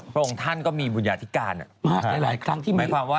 พระองค์ท่านก็มีบริยาธิกาน่ะ